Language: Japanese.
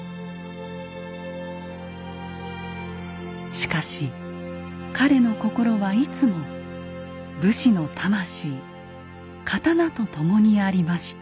しかし彼の心はいつも武士の魂刀とともにありました。